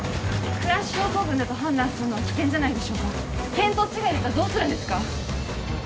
クラッシュ症候群だと判断するのは危険じゃないでしょうか見当違いだったらどうするんですか？